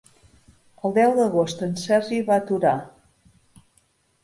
El deu d'agost en Sergi va a Torà.